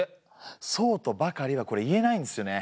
そうとばかりはこれ言えないんですよね。